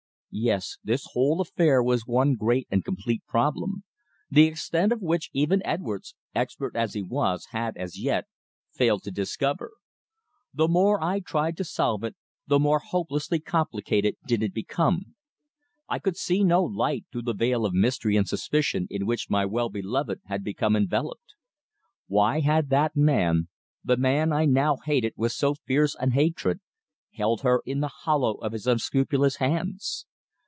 Yes. The whole affair was one great and complete problem, the extent of which even Edwards, expert as he was, had, as yet, failed to discover. The more I tried to solve it the more hopelessly complicated did it become. I could see no light through the veil of mystery and suspicion in which my well beloved had become enveloped. Why had that man the man I now hated with so fierce an hatred held her in the hollow of his unscrupulous hands?